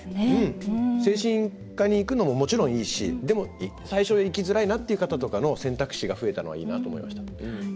精神科に行くのももちろんいいしでも、最初行きづらいなっていう方とかの選択肢が増えたのはいいなと思いました。